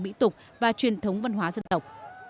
mỹ tục và truyền thống văn hóa dân tộc